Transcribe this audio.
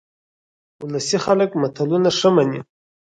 ولسي خلک متلونه ښه مني